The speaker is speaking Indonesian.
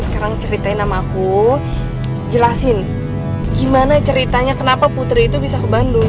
sekarang ceritain sama aku jelasin gimana ceritanya kenapa putri itu bisa ke bandung